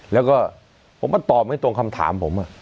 แล้วก็ผมก็ตอบไม่ตรงคำถามผม